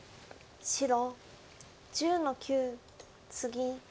白１０の九ツギ。